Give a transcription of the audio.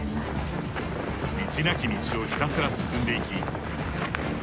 道なき道をひたすら進んでいき。